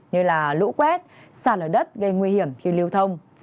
như là lũ quét sạt ở đất gây nguy hiểm khi lưu thông